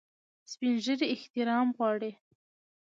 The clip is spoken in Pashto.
سپین ږیری احترام غواړي